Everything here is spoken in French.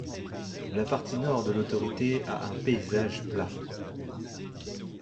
La partie nord de l'autorité a un paysage plat.